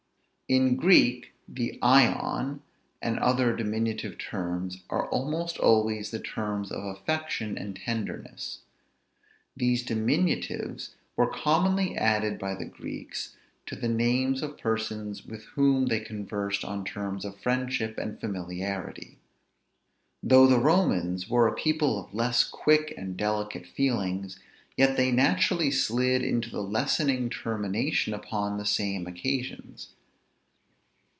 In Greek the [Greek: ion] and other diminutive terms are almost always the terms of affection and tenderness. These diminutives were commonly added by the Greeks to the names of persons with whom they conversed on terms of friendship and familiarity. Though the Romans were a people of less quick and delicate feelings, yet they naturally slid into the lessening termination upon the same occasions.